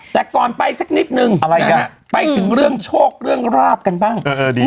แต่ก่อนไปสักนิดหนึ่งอะไรกันไปถึงเรื่องโชคเรื่องราบกันบ้างเออเออดี